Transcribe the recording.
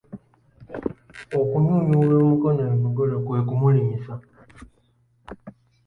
Okunnyulula omugole emikono kwe kumulimisa.